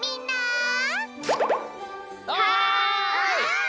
おい！